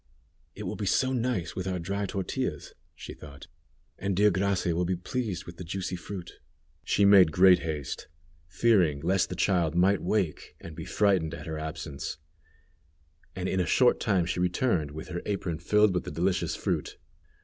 "It will be so nice with our dry tortillas," she thought; "and dear Gracia will be pleased with the juicy fruit." She made great haste, fearing lest the child might wake, and be frightened at her absence, and in a short time she returned with her apron filled with the delicious fruit.